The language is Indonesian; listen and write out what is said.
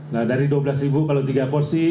nah dari dua belas kalau tiga porsi